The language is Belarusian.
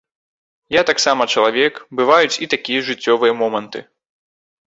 Я таксама чалавек, бываюць і такія жыццёвыя моманты.